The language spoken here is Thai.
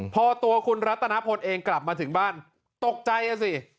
พอตัวคุณรัตนพลเองกลับมาถึงบ้านตกใจอ่ะสิ